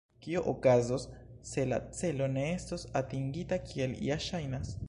Kio okazos, se la celo ne estos atingita, kiel ja ŝajnas?